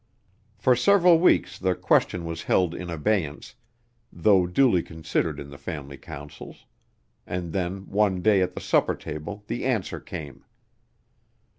For several weeks the question was held in abeyance, though duly considered in the family councils; and then one day at the supper table the answer came.